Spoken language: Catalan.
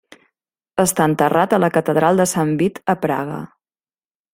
Està enterrat a la catedral de Sant Vit a Praga.